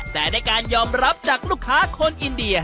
แต่ได้การยอมรับจากลูกค้าคนอินเดีย